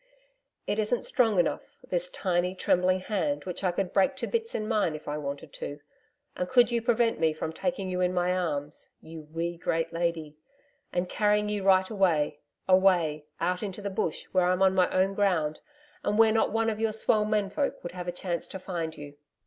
It isn't strong enough this tiny, trembling hand, which I could break to bits in mine if I wanted to. And could you prevent me from taking you in my arms you wee great lady and carrying you right away away, out into the Bush where I'm on my own ground and where not one of your swell men folk would have a chance to find you.'